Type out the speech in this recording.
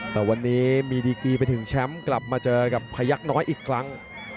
แต่วันนี้มีดีกีไปถึงแชมป์กลับมาเจอกับพยักน้อยอีกครั้ง